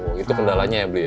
oh itu kendalanya ya belinya